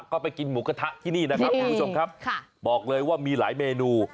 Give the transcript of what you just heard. ก็ไปกินหมูกระทะที่นี่นะครับคุณผู้ชมครับบอกเลยว่ามีหลายเมนู